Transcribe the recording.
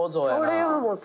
それはもう最高。